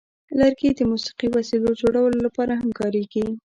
لرګي د موسیقي وسیلو جوړولو لپاره هم کارېږي.